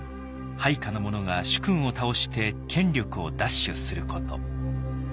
配下の者が主君を倒して権力を奪取すること。